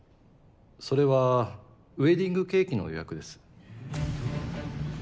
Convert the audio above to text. それはウェディングケーキの予約です。